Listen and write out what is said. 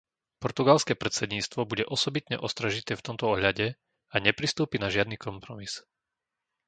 Portugalské predsedníctvo bude osobitne ostražité v tomto ohľade a nepristúpi na žiadny kompromis.